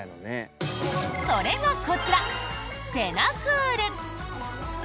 それがこちら、セナクール。